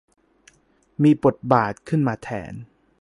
มีบทบาทขึ้นมาแทน